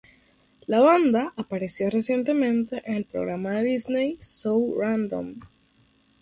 La banda apareció recientemente en el programa de Disney, "So Random".